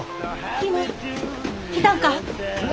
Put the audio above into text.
来たんか？